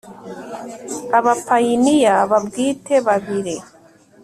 abapayiniya babwite babiri